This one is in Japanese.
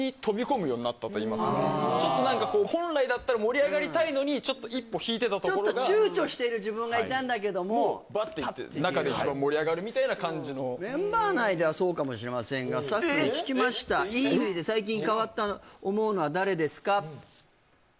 なったといいますかちょっと何かこう本来だったら盛り上がりたいのにちょっと一歩引いてたところがちょっと躊躇している自分がいたんだけどもパッていうバッていって中で一番盛り上がるみたいな感じのメンバー内ではそうかもしれませんがスタッフに聞きましたいい意味で最近変わったと思うのは誰ですか？